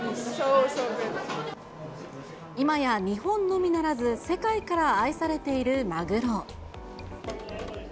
今や日本のみならず、世界から愛されているマグロ。